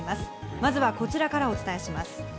まずはこちらからお伝えします。